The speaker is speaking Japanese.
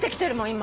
今。